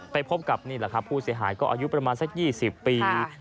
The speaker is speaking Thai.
พบกับนี่แหละครับผู้เสียหายก็อายุประมาณสัก๒๐ปี